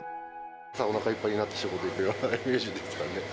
朝、おなかいっぱいになってから仕事行くようなイメージですかね。